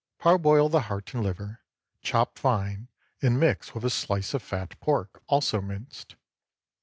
Parboil the heart and liver, chop fine, and mix with a slice of fat pork, also minced.